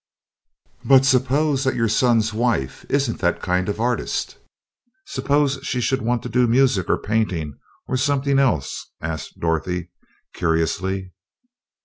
"But suppose that your son's wife isn't that kind of an artist? Suppose she should want to do music or painting or something else?" asked Dorothy, curiously.